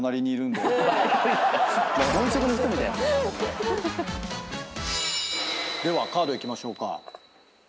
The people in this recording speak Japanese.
ではカードいきましょうか。